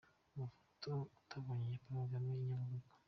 Amafoto utabonye ya Paul Kagame i Nyabugogo.